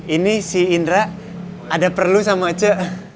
ini si indra ada perlu sama aceh